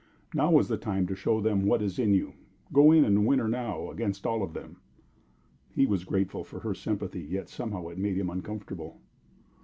Now is the time to show them what is in you. Go in and win her now, against all of them." He was grateful for her sympathy, yet somehow it made him uncomfortable.